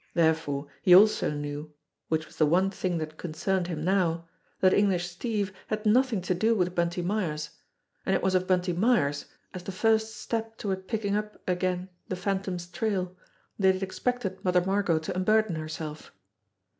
Therefore he also knew which was the one thing that concerned him now that English Steve had nothing to do with Bunty Myers. And it was of Bunty Myers, as the first step toward picking up again the Phan tom's trail, that he had expected Mother Margot to unburden herself.